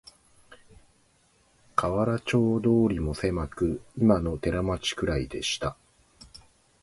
河原町通もせまく、いまの寺町くらいでした